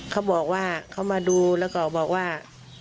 เขาบอกว่าเขามาดูแล้วก็บอกว่า